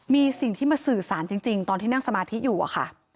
มีสิ่งที่มาสื่อสารจริงตอนที่นั่งสมาธิอยู่อะค่ะ